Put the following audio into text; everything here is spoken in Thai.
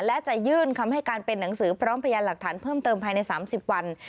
และจะยื่นคำให้การเป็นหนังสือพร้อมพยานหลักฐานเพิ่มเติมภายใน๓๐วัน